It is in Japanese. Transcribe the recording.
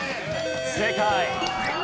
正解。